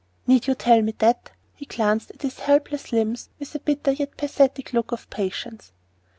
"Need you tell me that?" And he glanced at his helpless limbs with a bitter yet pathetic look of patience.